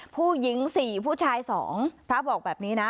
ผู้หญิงสี่ผู้ชายสองพระบอกแบบนี้น่ะ